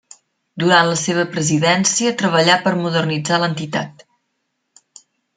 Durant la seva presidència treballà per modernitzar l'entitat.